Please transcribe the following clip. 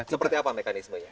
seperti apa mekanismenya